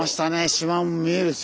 島も見えるし。